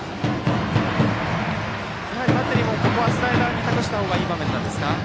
バッテリーもここはスライダーに託した方がいい場面ですか？